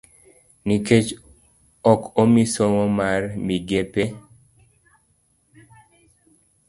To nikech ok omi somo mar migepe e